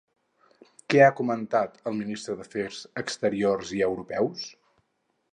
Què ha comentat el ministre d'Afers Exteriors i Europeus?